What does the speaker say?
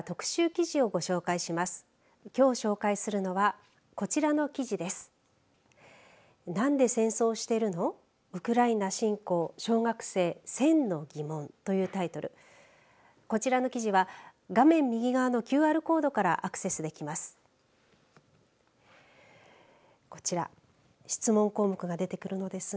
こちらの記事は画面右側のＱＲコードからアクセスできます。